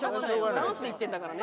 ダンスで行ってるんだからね。